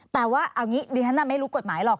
แต่ว่าเอางี้ดิฉันไม่รู้กฎหมายหรอก